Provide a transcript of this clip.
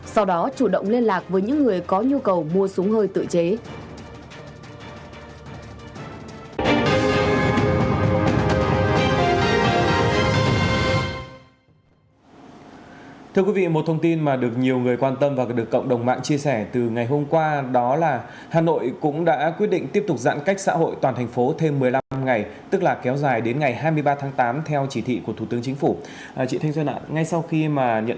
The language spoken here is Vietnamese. đã chủ động liên lạc với những người có nhu cầu mua súng hơi tự chế